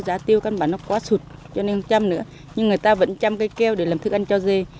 giá tiêu cân bản nó quá sụt cho nên chăm nữa nhưng người ta vẫn chăm cây keo để làm thức ăn cho dê